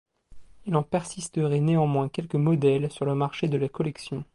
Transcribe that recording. Il en persisterait néanmoins quelques modèles sur le marché de la collection.